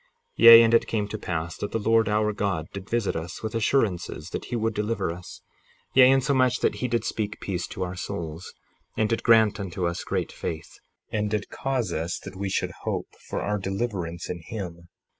58:11 Yea, and it came to pass that the Lord our God did visit us with assurances that he would deliver us; yea, insomuch that he did speak peace to our souls, and did grant unto us great faith, and did cause us that we should hope for our deliverance in him.